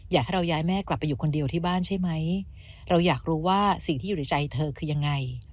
อยากให้เราย้ายแม่กลับไปอยู่คนเดียวที่บ้านใช่ไหมเราอยากรู้ว่าสิ่งที่อยู่ในใจเธอคือยังไง